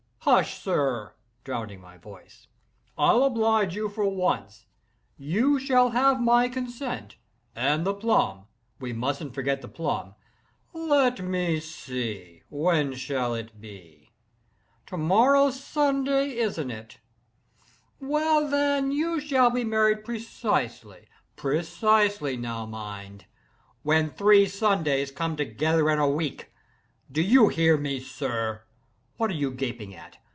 "Hush, sir!" (drowning my voice)—"I'll oblige you for once. You shall have my consent—and the plum, we mus'n't forget the plum—let me see! when shall it be? To day's Sunday—isn't it? Well, then, you shall be married precisely—precisely, now mind!—when three Sundays come together in a week! Do you hear me, sir! What are you gaping at?